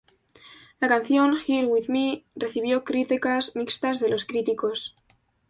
La canción "Here with Me" recibió críticas mixtas de los críticos.